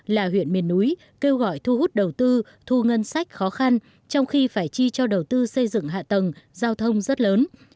là huyện miền núi kêu gọi thu hút đầu tư thu ngân sách khó khăn trong khi phải chi cho đầu tư xây dựng hạ tầng giao thông rất lớn